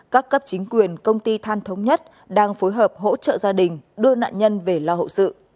các cấp chính quyền công ty than thống nhất đang phối hợp hỗ trợ gia đình đưa nạn nhân về lo hậu sự